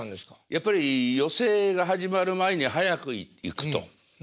やっぱり寄席が始まる前に早く行くと。